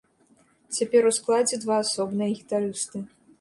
Цяпер у складзе два асобныя гітарысты.